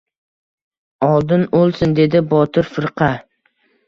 — Oldin o‘lsin... — dedi Botir firqa.